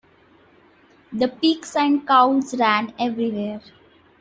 The pigs and cows ran everywhere.